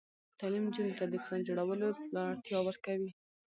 تعلیم نجونو ته د پلان جوړولو وړتیا ورکوي.